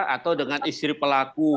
atau dengan istri pelaku